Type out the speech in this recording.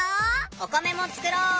お米も作ろう！